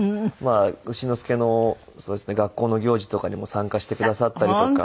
学校の行事とかにも参加してくださったりとか。